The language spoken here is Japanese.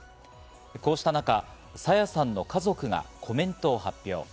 こうした中、朝芽さんの家族がコメントを発表。